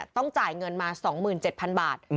ต้องจ่ายเงินมา๒๗๐๐บาท